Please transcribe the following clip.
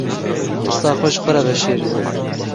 Tirsa xwe ji xwe re veşêrin.